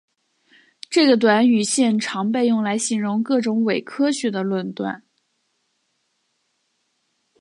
这个短语现常被用来形容各种伪科学的论断。